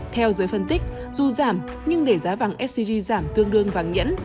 theo giới phân tích dù giảm nhưng để giá vàng sgc giảm tương đương vàng nhẫn